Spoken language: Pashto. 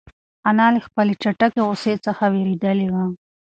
انا له خپلې چټکې غوسې څخه وېرېدلې وه.